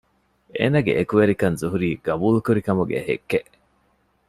އޭނަގެ އެކުވެރިކަން ޒުހުރީ ޤަބޫލުކުރި ކަމުގެ ހެއްކެއް